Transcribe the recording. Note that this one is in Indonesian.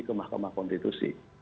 ke mahkamah konstitusi